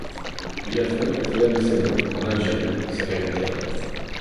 Il a fait de Tlemcen, en Algérie, sa capitale.